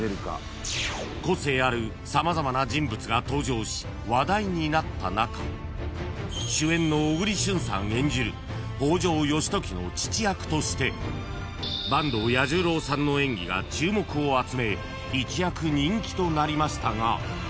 ［個性ある様々な人物が登場し話題になった中主演の小栗旬さん演じる北条義時の父役として坂東彌十郎さんの演技が注目を集め一躍人気となりましたが］